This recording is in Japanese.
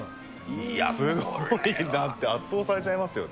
いや、すごいなって、圧倒されちゃいますよね。